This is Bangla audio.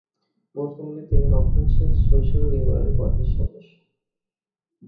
বর্তমানে তিনি রক্ষণশীল সোশ্যাল লিবারেল পার্টির সদস্য।